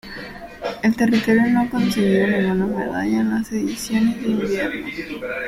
El territorio no ha conseguido ninguna medalla en las ediciones de invierno.